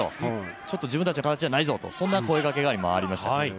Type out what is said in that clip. ちょっと自分たちの形じゃないぞとそんな声かけが今ありましたね。